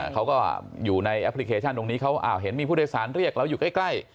เขาก็อยู่ในแอปพลิเคชันตรงนี้เขาเห็นมีผู้โดยสารเรียกเราอยู่ใกล้